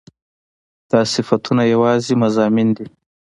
دا صفتونه يواځې مضامين دي